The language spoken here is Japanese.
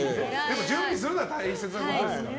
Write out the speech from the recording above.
準備するのは大切なことですから。